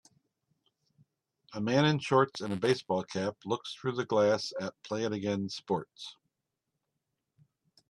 A man in shorts and a baseball cap looks through the glass at Play It Again Sports.